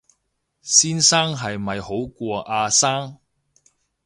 先生係咪好過阿生